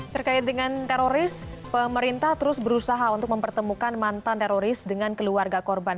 terkait dengan teroris pemerintah terus berusaha untuk mempertemukan mantan teroris dengan keluarga korban